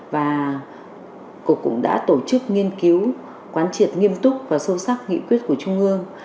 và cục cũng đã tổ chức nghiên cứu quán triệt nghiêm túc và sâu sắc nghị quyết của trung ương